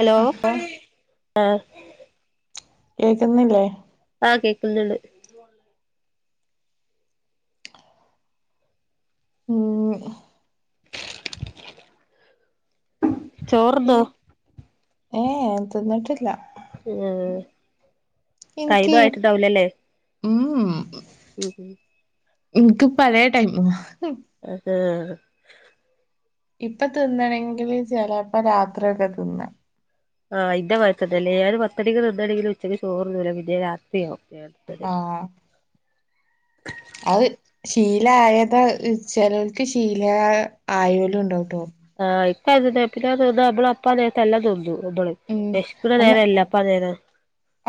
Hello അപ്പൊ ആഹ് കേക്ക്ന്നില്ലേ ആഹ് കേക്ക്ന്ന്ണ്ട് ഉം ഈ ചോറ്ന്നോ ഏ ഏഹ് തിന്നിട്ടില്ല ഏഹ് ഇൻക്കി ഉം ഉം ഉം ഇൻക്ക് പലേ ടൈമു [unintelligible] ഇപ്പൊ തിന്നണെങ്കില് ചെലെപ്പോ രാത്രിയൊക്കെ തിന്നാ ആഹ് ഇന്റെ മാര് തന്നെല്ലേ ഞാന് പത്ത് മണിക്ക് ത്‌ന്നാണെങ്കില് ഉച്ചയ്ക്ക് ചോറ്ന്നൂല പിന്നെ രാത്രിയാവും നേരത്തെ ആഹ് അഹ് ശീലായത ചെലോൽക്ക് ശീലാ ആയോല്ണ്ടാവ്ട്ടോ ആഹ് ഇപ്പ [unintelligible] ത്‌ന്നാ നമ്മള അപ്പാ നേരത്തെ എല്ലാം തിന്നും നമ്മള് ഉം വെശ്ക്കുന്ന നേരല്ലെ അപ്പ് പതേനെ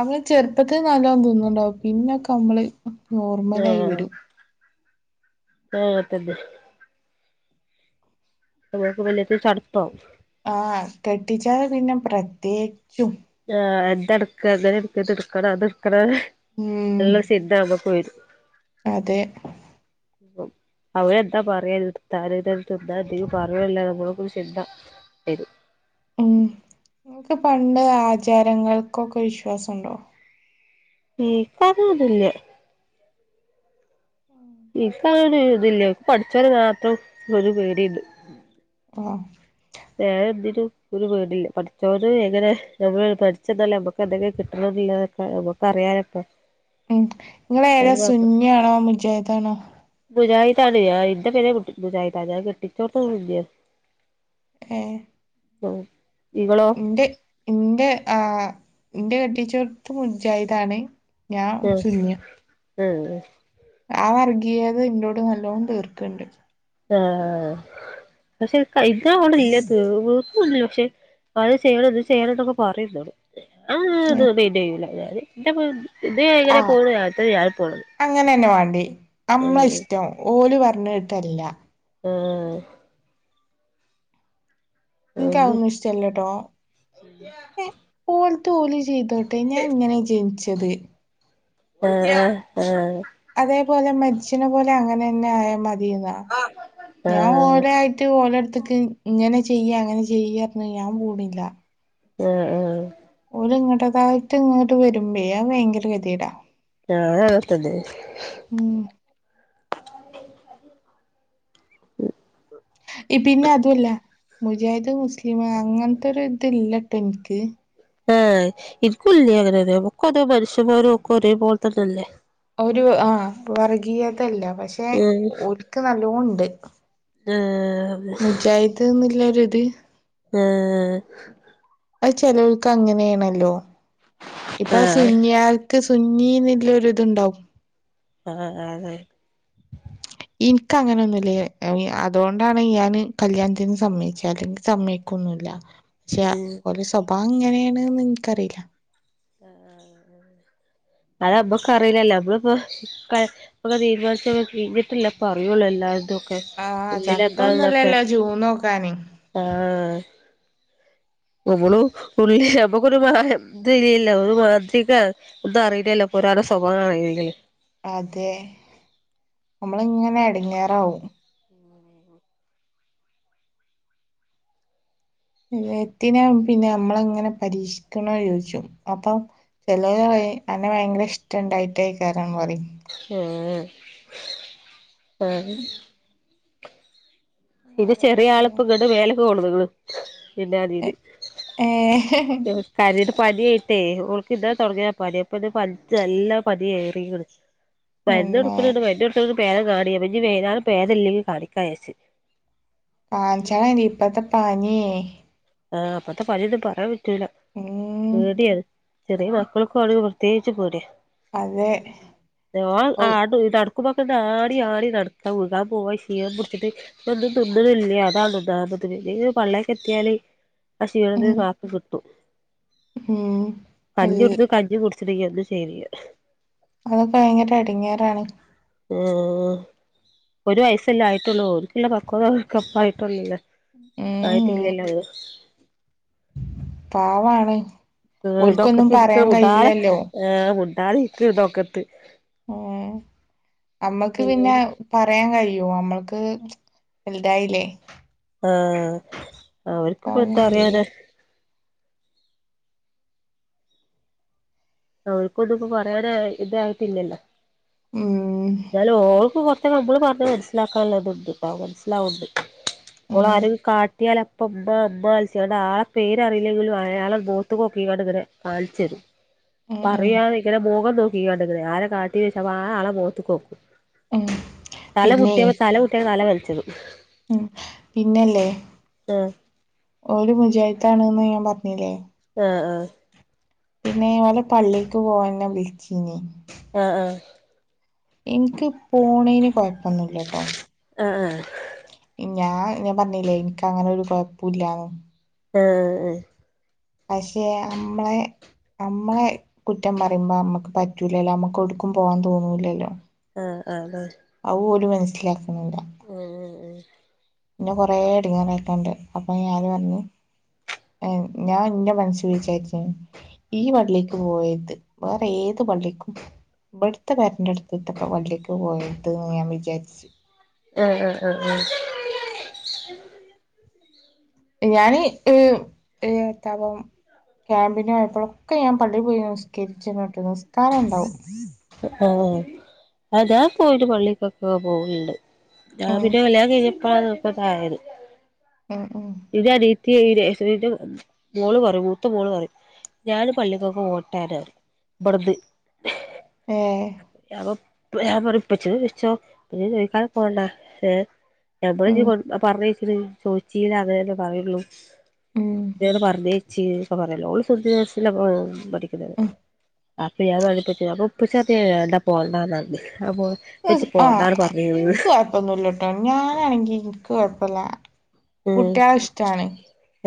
അങ്ങനെ ചെർപ്പത്തിൽ നല്ലോം തുന്ന്ണ്ടാവും പിന്നെക്കമ്മള് ആഹ് ആഹ് അതന്നെ [unintelligible] ചടപ്പാവും ആഹ് കെട്ടിച്ചാല് പിന്നെ പ്രത്യേച്ചും ആഹ് എന്തെടുക്ക ങ്ങനെ ട്ക്ക് ത്ട്ക്കണൊ അത് ട്ക്കണൊ ഉം എല്ലാം [unintelligible] വരും അതെ അവയെന്താ പറയ തിട്‌താല് തെന്ത്‌ന്നാ എന്തേയും പറയൊല്ല നമ്മള്ക്കൊരു ശിന്ത വരും ഉം ങ്ങക്ക് പണ്ടേ ആചാരങ്ങൾക്കൊക്കെ വിശ്വാസണ്ടോ ഇൻക്കതൊന്നുല്ല ഇപ്പങ്ങനെ ഇതില്ല പടച്ചോനെ മാത്രം ഒരു പേടി ഇണ്ട് ആഹ് വേറെ എന്തിനും ഒരു പേടില്ല പഠിച്ചോന് എങ്ങനെ നമ്മള് പഠിച്ചെന്നാലും നമുക്ക് എന്തെങ്കിലും കിട്ടണെന്നിള്ള ഏഹ് നമ്മുക്കറിയാലോ പ്പൊ ഉം നിങ്ങളേതാ സുന്നിയാണോ മുജാഹിതാണോ മുജാഹിദാണു ഇന്റെ പേരെ കുട്ടി മുജാഹിദാണ് ഞ്ഞാ കെട്ടിച്ചോടത്തും മുജാ ഏഹ് ഓഹ് ഇവളോ ന്റെ ഇന്റെ ആഹ് ഇന്റെ കെട്ടിച്ചോടത്തും മുജാഹിദാണ് ഞാൻ ഉം സുന്നിയാ ഉം ഉം ആ വർഗീയത ഇന്നോട് നല്ലോം തീർക്കണ്ട് ആഹ് ആഹ് പക്ഷെ ഇത് കഴിക്കാ വേണ്ട രീതിയിൽ തീർന്നു [unintelligible] പക്ഷെ അത് ചെയ്യണം ഇത് ചെയ്യണന്നൊക്കെ പറയും ന്നോട് ആഹ് ത് ഏഹ് ‌തെ തെയൂല ഞാന് ന്റെ മം ദേ ഇങ്ങനെ പോണു അത് ഞാൻ പോണത് അങ്ങനെ തന്നെ വേണ്ടേ നമ്മളെ ആഹ് ഇഷ്ടം ഓല് പറഞ്ഞ കേട്ടല്ല ഏഹ് ആഹ് നിക്കതൊന്നുഷ്ടല്ലട്ടോ ഓല്ത്ത ഓല് ചെയ്തോട്ടെ ഞാൻ ഇങ്ങനെ ജനിച്ചത് ആഹ് ആഹ് ആഹ് അതേപോലെ മരിച്ചിണ പോലെ അങ്ങനന്നെ ആയാ മതിന്നാ ഞാ ഓലായി റ്റ് ഓലെട്ത്ത്ക്ക് ഇങ്ങനെ ചെയ്യ് അങ്ങനെ ചെയ്യ് പറഞ്ഞ് ഞാൻ പോണില്ല ഏഹ് ആഹ് ഓല് ഇങ്ങട്ടേക്കായിട്ട് ഇങ്ങട്ട് വരുമ്പേ ഭയങ്കര ഗതികേടാ ഞാനകത്തുണ്ട് ഉം ഈ പിന്നെ അതുവല്ല മുജാഹിദ് മുസ്ലിം അങ്ങനത്തൊരു ഇതില്ലട്ടോ ഇനിക്ക് ആഹ് നിക്കുല്ല്യ അങ്ങനൊരു നമ്മുക്കോരോ മനുഷ്യമാരും ഒക്കെ ഒരേ പോലെ തന്നല്ലെ ഒരു ആഹ് വർഗീയതയില്ല പക്ഷെ ആഹ് ഓൽക്ക് നല്ലോണ് ണ്ട് ആഹ് മുജാഹിദ്ന്നിള്ള ഒരിത് ആഹ് ആഹ് അത് ചെലോൽക്ക് അങ്ങനെയേണല്ലോ ഇപ്പൊ ആഹ് സുന്നിയാൾ ക്ക് സുന്നിന്നിള്ളൊരു ഇതുണ്ടാവും ആഹ് ആഹ് അതെ ഇൻക്കങ്ങനൊന്നുല്ല [unintelligible] അതോണ്ടാണ് ഞാന് കല്യാൺത്തിന് സമ്മയ്ച്ചെ. അല്ലെങ്കി സമ്മയ് ക്കൊന്നുല്ല. പക്ഷെ ഉം ഓലെ സ്വഭാവം ഇങ്ങനേണ്ന്ന് ഇൻക്കറീല്ല. അത് നമ്മക്കറീല്ലല്ലോ മ്മളിപ്പോ ഒക്കെ ഇപ്പൊക്ക തീരുമാനിച്ചൊക്കെ കഴിഞ്ഞിട്ടല്ലേ ഇപ്പറിയുള്ളൂ എല്ലാര്തും. ആഹ് ചക്ക ഉള്ളിലെന്താണ്ന്നൊക്കെ ഒന്നുല്ലല്ലോ ജൂൺ നോക്കാന് ആഹ്. ഒമ്മളു ഉള്ളി നമ്മുക്കൊരു മായം ഇതില്ലല്ലോ ഒരു മാന്ത്രികാ ഇതറീല്ലല്ലോ ഇപ്പൊരാളെ സ്വഭാവറിയെണെങ്കില് അതെ. നമ്മളിങ്ങനെ എട്ങ്ങേറാവും. ഉം [unintelligible] എത്തിനാ പിന്നെ നമ്മളെ ഇങ്ങനെ പരീക്ഷിക്ക്ണത് ചോയിച്ചും അപ്പം ചെലോര് പറിം അന്നെ ഭയങ്കര ഇഷ്ടണ്ടായിട്ടേക്കാരം പറിം. ഏഹ് ആഹ് ഇത് ഓരോ ചെറിയ എടങ്ങേ ആള്പ്പങ്ങട് മേലക്ക് കൊണ്ട്ന്ന്ക്ണ്. പിന്നാതില് ഏഹ് [unintelligible] കാര്യായിട്ട് പനി ആയിട്ടേ ഓൾക്ക് ഇന്നലെ തൊടങ്ങിയതാ പനി അപ്പന്ന് പൻച്ച് നല്ല് പനി ഏറീക്ക്ണ്. ഉം [unintelligible] മര്ന്ന് കൊട്ക്ണ് ണ്ട് മര്ന്ന് കൊടുത്ത്ട്ടൊന്നും പേതം കാണീല്ല. ഇഞ്ഞ് വൈന്നേരം പേതല്ലെങ്കിൽ കാണിക്കാ വിചാര്ച്ച്. കാൺച്ചാളെണ്ടി ഇപ്പത്തെ പന്യേ. ആഹ് ഇപ്പത്തെ പന്യൊന്നും പറ്യാൻ പറ്റൂല ഉം പേട്യാണ്. ചെറിയ മക്കളൊക്കാണെ പ്രത്യേകിച്ച് പേട്യാ. അതെ ഓൻ ഔ ആട്ടു ഈട്ടു നട് ക്കുമ്പൊക്കെ ദാ ആടി ആടി നടക്കാ വികാൻ പോവാ ക്ഷീണം പുട്ച്ചിട്ട്. ഒന്നും തിന്ന്ണില്ല്യ അതാണ് ഒന്നാമത്. എയ്ലേലും പള്ളേക്കെത്ത്യാല് ആ ഉം ക്ഷീണത്തിന് ആക്കം കിട്ടു. ഉം [unintelligible] കഞ്ഞിം കുട്ച്ചിണില്ല്യ ഒന്നും ശെയ്തിയ്യ. അതൊക്കെ ഭയങ്കര എട്ങ്ങേറാണ്. ആഹ് ഒരു വയസല്ലേ ആയിട്ടൊള്ളൂ ഓൽക്കില്ല പക്വത ഓൽകപ്പായിട്ടൊള്ളൂല്ലെ. [unintelligible] ഉം ആയ്ട്ടില്ലല്ലോ [inaudible] പാവാണ് ഓൺക്കൊന്നും ഇതൊക്കത്തിരിക്ക പറയാൻ മുണ്ടാതെ കയ്യില്ലല്ലോ. ആഹ് മുണ്ടാതെ ഇരിക്ക്ണ്ട് ഒക്കത്ത്. ഏഹ് അമ്മക്ക് പിന്നെ എല്ലോം പറയാൻ കഴിയും നമ്മൾക്ക് വെൽതായിലേ. ആഹ് ഓൽക്കാതൊന്നും കഴിയില്ല അവര്ക്കിപ്പെന്തറിയാനാ. അവൾക്കൊന്നും ഇപ്പം പറയാൻ ആയ് ഇതായ്ട്ടില്ലല്ലോ ഉം എന്നാലും ഓൾക്ക് കൊർ ച്ച് നമ്മള് പറഞ്ഞത് മനസ്സിലാക്കാള്ളത്ണ്ട് ട്ടോ മനസ്സിലാവ്ണ്ട്. ഉം ഓളാരും കാ കാട്ടിയാലപ്പം ഇമ്മാ ഇമ്മാ വിൾച്ച്കാണ്ട് ആളെ പേര് അറീല്ലെങ്കിലും അയാളെ മോത്ത്ക്കോക്കിക്കാണ്ട് ഇങ്ങനെ കാണ്ച്ചെരും. ഉം ഉം പറയാന് ഇങ്ങനെ മുഖം നോക്കിക്കാണ്ടിങ്ങനെ ആരാ കാട്ട്യേ ചോയ്ച്ചാ അപ്പ ആ ആളെ മോത്ത്ക്കോക്കും. ഉം തല പിന്നെ മുട്ട്യേപ്പം തല മുട്ട്യാണ്ട് തല വൽച്ചത്. ഉം പിന്നല്ലേ ആഹ് ഓല് മുജായിതൊണ്ന്ന് ഞാൻ പർഞ്ഞില്ലേ. ആഹ് ആഹ് പിന്നെ ഓലെ പള്ളീക്ക് പോവാൻന്നെ വിൾച്ചീനി. ആഹ് ആഹ് ഇൻക്ക് പോണേന് കൊഴപ്പൊന്നുല്ലട്ടോ. ആഹ് ആഹ് ഞാൻ ഞാൻ പറഞ്ഞില്ലേ ഇൻക്കങ്ങനെ ഒരു കൊഴപ്പുല്ലാന്ന് ഏഹ് ഏഹ് ഏഹ് പക്ഷെ അമ്മളെ അമ്മളെ കുറ്റം പറയുമ്പ അമ്മക്ക് പറ്റൂലല്ലോ അമ്മക്ക് ഒടുക്കും പോവാൻ തോന്നൂലല്ലോ ആഹ് ആഹ് അതാണ് അതും ഓല് മനസ്സിലാക്കുന്നില്ല ഉം ഇന്നെ കൊറേ എടങ്ങേറായിട്ടുണ്ട് അപ്പൊ ഞാൻ പർഞ്ഞ് ഞാൻ ഇന്റെ മനസിൽ വിചാര്ച്ചീനി ഈ പള്ളിക്ക് പോവര്ത് വേറെ ഏത് പള്ളിക്കും ഇബട്ത്തെ പെരന്റട്ത്ത്ത്തെ പള്ളിക്ക് പോകര്ത് ഞാൻ വിചാരിച്ച് ആഹ് ആഹ് ആഹ് ആഹ് ഞാന് ഏഹ് എത്താപ്പം ക്യാമ്പിന് പോയപ്പൊഴൊക്കെ ഞാൻ പള്ളി പോയി നിസ്കരിച്ചിണ് ട്ടോ നിസ്കാരം ഇണ്ടാവും ആഹ് അതാ പോയിട്ട് പള്ളിക്കൊക്കെ പോവെണ്ട് ഞാൻ ഉം പിന്നെ കല്യാണം കഴിഞ്ഞപ്പാണ് ഇപ്പതായത് ഉം ഉം ഇന്റെ അനിയത്തി നൈസറില് മോള് പറയും മൂത്ത മോള് പറയും ഞാൻ പള്ളിക്കൊക്കെ ഓട്ടേന്ന് ഇബട്ന്ന് ഏഹ് ഞാപ്പം പ്പം ഞാൻ പറിം ഇപ്പച്ചിനോട് ചോയ്ച്ചോ ഇപ്പച്ചിനോട് ചോയ്ക്കാണ്ടെ പോണ്ട ഏഹ് ഉം ഞമ്മള്ഞ്ഞ് പറഞ്ഞയച്ചില്ലെങ്കി ചോയിച്ചീല്ല അതെന്നെ പറയൊള്ളൂ ഉം എന്തിനേട് പറഞ്ഞയച്ച് ഒക്കെ പറയലോ ഓള് ശുദ്ധ [unintelligible] പഠിക്കുന്നത് ഉം അപ്പ ഞാൻ പറഞ്ഞ് ഇപ്പച്ചിനോട് അപ്പം ഇപ്പച്ചി പർഞ്ഞ് വേണ്ട പോവണ്ടാന്നർഞ്ഞ് അപ്പൊ ഇപ്പച്ചി പോണ്ടാന്ന് പറഞ്ഞ്ന്ന് ഒന്നുല്ല ട്ടോ ഞാനാണെങ്കി ഇൻക്ക് കൊഴപ്പല്ല ഉം കുട്യാളെ ഇഷ്ടാണ്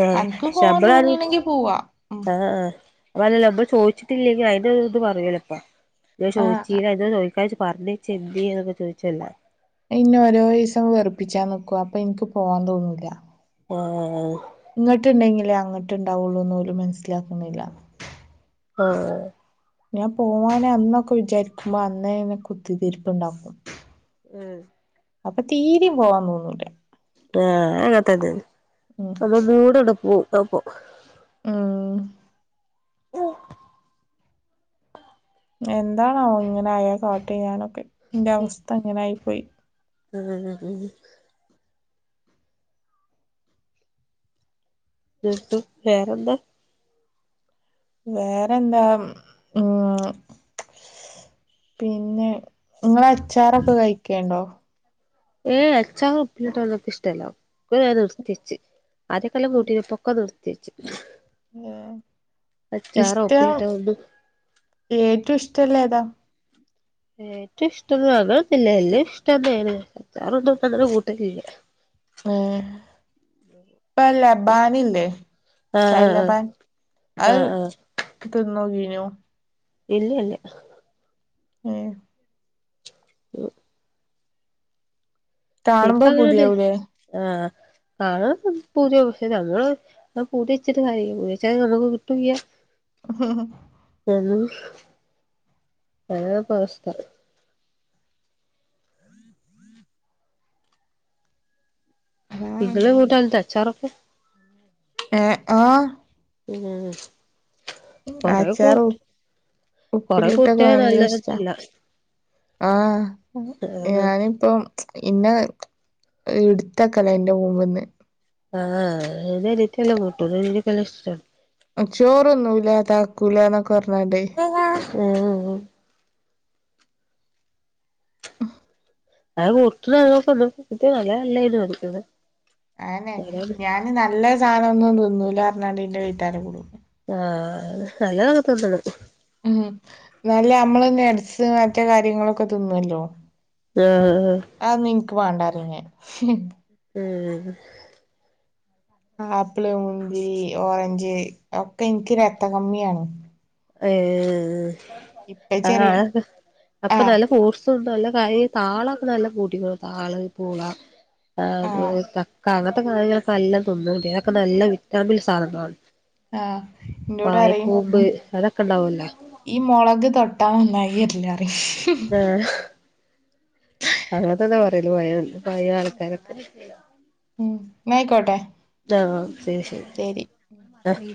ആഹ് അൻക്ക് പോവാൻ ശമ്പളാണ് തോന്നിണെങ്കി പോവാ ഉം ആഹ് ആഹ് അതല്ല ഇബൻ ചോയിച്ചിട്ടില്ലെങ്കിൽ അയിന് ഇത് പറയോലപ്പ ന്തേ ആഹ് ചോയിച്ചീലാ എന്തേ ചോ ട്ക്കാ ജ്ജ് പറഞ്ഞെയ്ച്ചേ എന്തീ ന്നൊക്കെ ചോയിച്ചല്ല അത് ഇന്നേ ഓരോ ദിവസം വെറുപ്പിച്ചാ നിക്കും അപ്പൊ ഇൻക്ക് പോവാൻ തോന്നൂല്ല ആഹ് ഇങ്ങട്ട്ണ്ടെങ്കിലേ അങ്ങട്ട് ഇണ്ടാവൊള്ളൂന്ന് ഓല് മനസ്സിലാക്കുന്നില്ല ആഹ് ഞാൻ പോവാനെ അന്നൊക്കെ വിചാരിക്കുമ്പോ അന്നേനെ കുത്തിതിരിപ്പ് ഇണ്ടാക്കും ഏഹ് അപ്പം തീരിം പോവാൻ തോന്നൂല ആഹ് അത് അങ്ങൻത്തന്നെ ആണ് ഉം അപ്പോ മൂടണ്ട് പോവും അപ്പം ഉം ഉം എന്താണാവോ ഇങ്ങനെ ആയാ കാട്ട ഞാനൊക്കെ ഇന്റെ അവസ്ഥ ഇങ്ങെനായി പോയി ആഹ് ഉം ന്ന്ട്ടു വേറെന്താ വേറെന്താ ഉം പിന്നെ ഇങ്ങള് അച്ചാറൊക്കെ കഴിക്കേണ്ടോ ഇല്ലല്ല അച്ചാർ ഉപ്പിലിട്ടത് ഒന്നും ക് ഇഷ്ടല്ല പിന്നെ ഞാ നിർത്തിവച്ച് ആദ്യൊക്കെ നല്ലം കൂട്ടീന് ഇപ്പൊക്കെ നിർത്തിവച്ച് ഏഹ് ഇഷ്ടം ഉപ്പിലിട്ടതൊന്നും ഏറ്റവും ഇഷ്ടല്ല ഏതാ ഏറ്റും ഇഷ്ടം അങ്ങനെ ഒന്നുല്യ എല്ലാം ഇഷ്ട തന്നെണ് അച്ചാറൊന്നുംങ്ങനെ കൂട്ടലില്ല ഏഹ് പ ലബാനണ്ട് സൈ ആഹ് ആഹ് ലബാൻ അ ആഹ് ആഹ് തിന്നോക്കീനോ ഇല്ലല്ല ഏഹ് ഇപ്പ കാണുമ്പോ അങ്ങനണ്ട് പൂതിയാവൂലേ ആഹ് വാങ്ങണം പൂതി ആവും പക്ഷ ഞങ്ങള് പ പൂതി വച്ചിട്ട് കാര്യല്ല പൂതി വച്ചാൽ നമുക്ക് കിട്ടുല്യ എന്നും അതാ ഇപ്പൊ അവസ്ഥ ആഹ് ഇന്നലെ കൂട്ടാൻ ഇണ്ട അച്ചാറൊക്കെ ഏഹ് ആഹ് പിന്നെ കുറേ അച്ചാറ് പൂട്ട് കൊറെ ഉപ്പിലിട്ടൊക്കെ കൂട്ടിയ ഭയങ്കര ഇഷ്ടാ നല്ലതല്ല ആഹ് ആഹ് ഞാനിപ്പം ഇന്നേ ഇടുത്ത് വെക്കല എന്റെ മുമ്പ്ന്ന് ആഹ് [unintelligible] കൂട്ടൂല എനിക്ക് എല്ലാം ഇഷ്ട ചോറൊന്നും ഇല്ല താക്കൂല്ലന്നൊക്കെ പറഞ്ഞണ്ടേ [unintelligible] ഔ ട്ട്ണ ക്ക ന്നും നല്ല ല്ലയ്നും അന്നെ ഞാന് നല്ല സാനം ഒന്നും തിന്നൂലാർണാണ്ട് ന്റെ വെയ്ത്താലെ കൂടും ആഹ് ഹ് നല്ലത് ക്കെ തിന്നണം ഉം ഹ് നല്ല അമ്മള് ന്നെഡ്സ് മറ്റെ കാര്യങ്ങളൊക്കെ തിന്നുല്ലോ ആഹ് ആഹ് അവൊന്നും ഇൻക്ക് വേണ്ടാ റിം ഞാൻ ഹ് ഹ് ഉം ആപ്പിള് മുന്തി ഓറഞ്ച് ഒക്കെ ഇൻക്ക് രക്ത കമ്മിയാണ് ഏഹ് ഇപ്പച്ചിറിം ആഹ് അപ്പം ആഹ് നല്ല സൂക്ഷി പ്പം നല്ല കായെം താള്ക്കെ നല്ലൊം കൂട്ടിക്കോ താള് പൂള ആഹ് തക്ക കാണാത്തെ സാനങ്ങളൊക്കെ നല്ലോം തിന്നോണ്ടി തൊക്കെ നല്ല വിറ്റാമിൻ സാധൻങ്ങളാണ് ആഹ് ഇന്നോടറിം വായക്കൂമ്പ് അതൊക്കെ ണ്ടാവല്ലോ ഈ മുളക് തൊട്ടാ നന്നായി ര്ല്ലാറിം ആഹ് അങ്ങൻ തന്നെ പറയല് പയേ പയേ ആൾക്കാര് ക്കെ ഉം ന്നാ യിക്കോട്ടെ ആഹ് ശരി ശരി ആഹ്